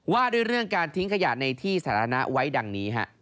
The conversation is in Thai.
ว่าด้วยเรื่องการทิ้งขยะในที่สาธารณะไว้ดังนี้